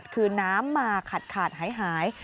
คือน้ำมาขาดหาย